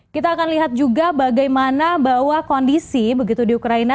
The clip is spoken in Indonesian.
kita akan lihat juga bagaimana bahwa kondisi begitu di ukraina